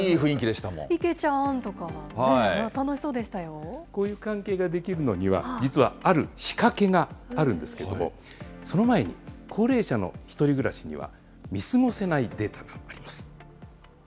池ちゃんとかね、楽しそうでこういう関係ができるのには、実はある仕掛けがあるんですけれども、その前に、高齢者の１人暮らしには、見過ごせないデータがあります。